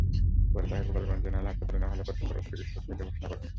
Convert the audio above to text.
পরে তাঁকে গোপালগঞ্জ জেনারেল হাসপাতালে নেওয়া হলে কর্তব্যরত চিকিৎসক মৃত ঘোষণা করেন।